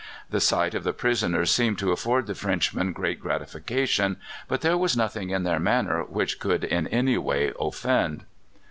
The sight of the prisoners seemed to afford the Frenchmen great gratification, but there was nothing in their manner which could in any way offend.